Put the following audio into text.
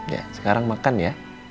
ya sekarang makan ya